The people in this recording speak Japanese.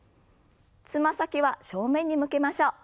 つま先は正面に向けましょう。